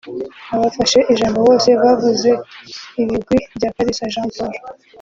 Abafashe ijambo bose bavuze ibigwi bya Kalisa Jean Paul